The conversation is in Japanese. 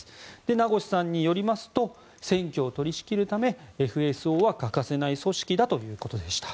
名越さんによりますと選挙を取り仕切るためＦＳＯは欠かせない組織だということでした。